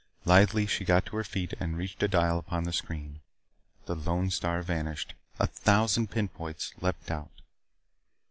Lithely she got to her feet and reached a dial upon the screen. The lone star vanished. A thousand pinpoints leaped out.